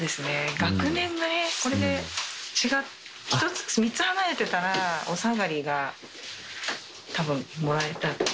学年がね、これで違って、３つ離れてたら、お下がりがたぶんもらえた。